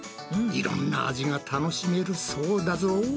いろんな味が楽しめるそうだぞ！